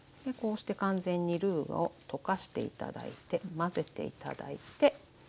こうして完全にルーを溶かして頂いて混ぜて頂いて。